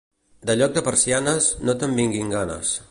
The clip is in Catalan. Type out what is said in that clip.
De lloc de persianes, no te'n vinguin ganes.